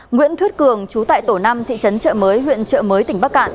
nguyễn thuyết cường chú tại tổ năm thị trấn chợ mới huyện chợ mới tỉnh bắc cạn